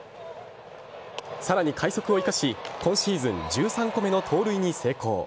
さらに快足を生かし今シーズン１３個目の盗塁に成功。